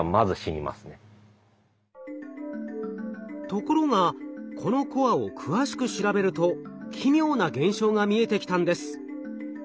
ところがこのコアを詳しく調べると奇妙な現象が見えてきたんです。